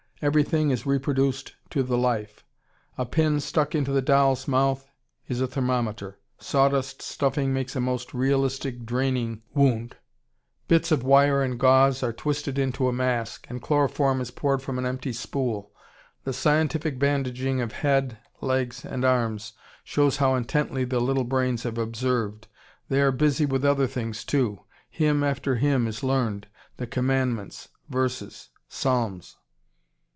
Everything is reproduced to the life. A pin stuck into the doll's mouth is a thermometer; sawdust stuffing makes a most realistic draining wound; bits of wire and gauze are twisted into a mask, and chloroform is poured from an empty spool. The scientific bandaging of head, legs, and arms shows how intently the little brains have observed. They are busy with other things too; hymn after hymn is learned, the commandments, verses, psalms.